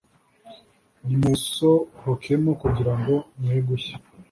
nimuwusohokemo kugira ngo mwegushya